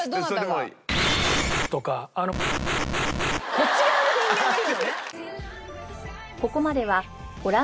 こっち側の人間が言うのね。